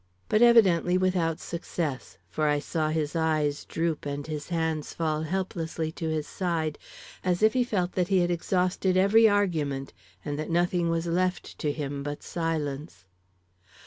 But evidently without success, for I saw his eyes droop and his hands fall helplessly to his side as if he felt that he had exhausted every argument, and that nothing was left to him but silence.